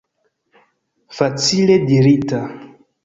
Facile dirita!